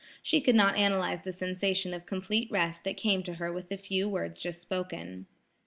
She could not analyze the sensation of complete rest that came to her with the few words just spoken.